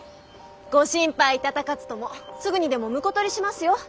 ご心配頂かずともすぐにでも婿取りしますよ。